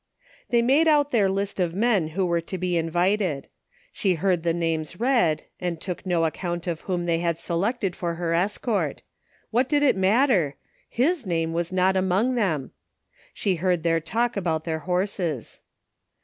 They made out their list of men who were to be invited. She heard the names read, and took no account of whom they had selected for her escort. What did it matter ? His name was not among them ! She heard their talk about their horses.